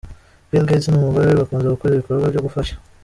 Bill Gates n'umugore we bakunze gukora ibikorwa byo gufasha.